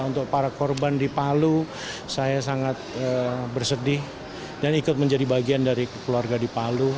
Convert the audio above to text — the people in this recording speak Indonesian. untuk para korban di palu saya sangat bersedih dan ikut menjadi bagian dari keluarga di palu